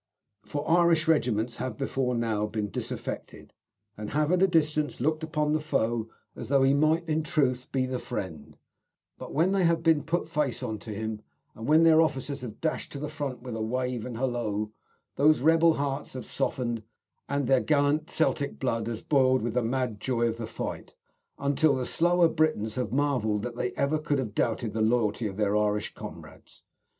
For Irish regiments have before now been disaffected, and have at a distance looked upon the foe as though he might, in truth, be the friend; but when they have been put face on to him, and when their officers have dashed to the front with a wave and halloo, those rebel hearts have softened and their gallant Celtic blood has boiled with the mad Joy of the fight, until the slower Britons have marvelled that they ever could have doubted the loyalty of their Irish comrades.